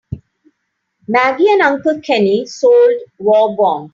Maggie and Uncle Kenny sold war bonds.